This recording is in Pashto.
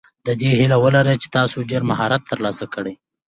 د دې هیله ولره چې تاسو ډېر مهارت ترلاسه کړئ.